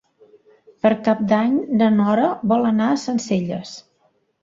Per Cap d'Any na Nora vol anar a Sencelles.